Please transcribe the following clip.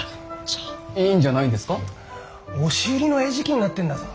押し売りの餌食になってんだぞ。